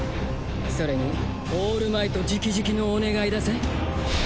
それにオールマイト直々のお願いだぜ？